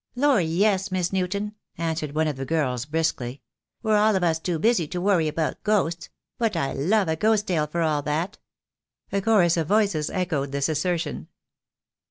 "Lor, yes, Miss Newton," answered one of the girls, briskly: "we're all of us too busy to worry about ghosts; but I love a ghost tale for all that." A chorus of voices echoed this assertion.